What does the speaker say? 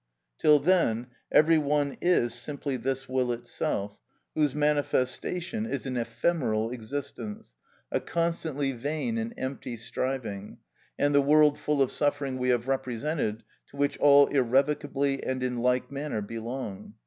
Till then, every one is simply this will itself, whose manifestation is an ephemeral existence, a constantly vain and empty striving, and the world full of suffering we have represented, to which all irrevocably and in like manner belong.